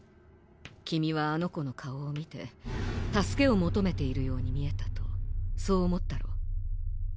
君はあの子の顔を見て「救けを求めているように見えた」とそう思ったろう。